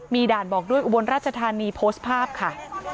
มีด่านบอกด้วยอุบลราชธานีโพสต์ภาพค่ะ